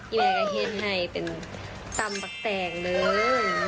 อิเวย์กระเทียนให้เป็นตำปักแต่งเลย